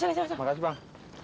terima kasih bang